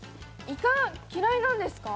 いか、嫌いなんですか？